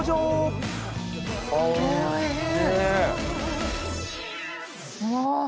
おいしい！